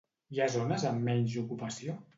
Hi ha zones amb menys ocupació?